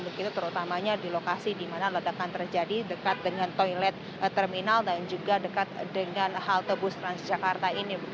begitu terutamanya di lokasi di mana ledakan terjadi dekat dengan toilet terminal dan juga dekat dengan halte bus transjakarta ini